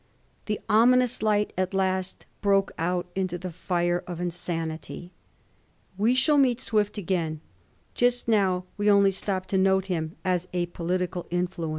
The ominous light at last broke out into the fire of insanity. We shall meet Swift again ; just now we only stop to note him as a political influence.